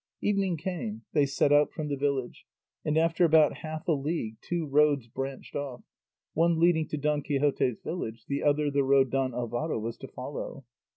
Evening came, they set out from the village, and after about half a league two roads branched off, one leading to Don Quixote's village, the other the road Don Alvaro was to follow.